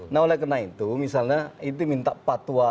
nah oleh karena itu misalnya itu minta patwa